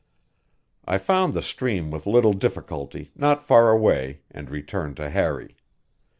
I found the stream with little difficulty, not far away, and returned to Harry.